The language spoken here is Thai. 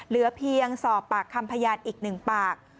เหลือเพียงสอบปากคำพยานอีก๑ปาก